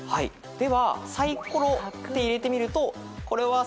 では「サイコロ」って入れてみると。